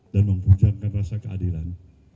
dan mempunyai rasa keadilan